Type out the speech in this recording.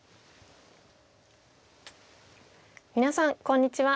皆さんこんにちは。